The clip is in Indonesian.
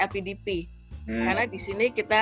lpdp karena disini kita